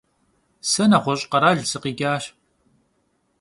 Se neğueş' kheral sıkhiç'aş.